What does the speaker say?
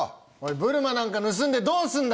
ブルマーなんか盗んでどうすんだよ！